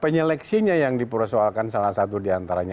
penyeleksinya yang dipersoalkan salah satu di antaranya